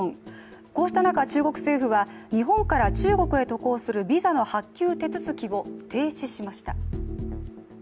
こうした中、中国政府は日本から中国へ渡航するビザの発給手続きを停止しました。